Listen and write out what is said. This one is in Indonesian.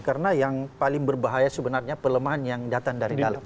karena yang paling berbahaya sebenarnya pelemahan yang datang dari dalam